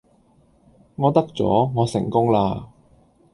我得咗，我成功啦